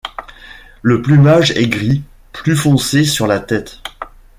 Le plumage est gris, plus foncé sur la tête.